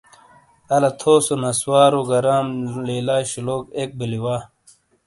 الہ تھو نسوارو گہ رام لیلہ شلوگ اک بلی وا ۔